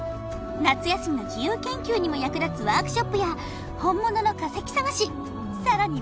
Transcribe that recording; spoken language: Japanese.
夏休みの自由研究にも役立つワークショップや本物の化石探しさらに